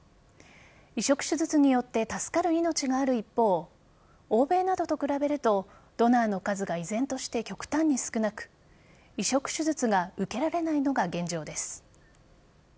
移植手術によって助かる命がある一方欧米などと比べるとドナーの数が依然として極端に少なく移植手術が受けられないのが現状です。